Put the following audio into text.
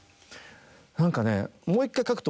何かね。